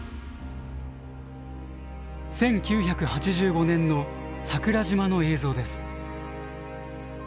１９８５年の桜島の映像です。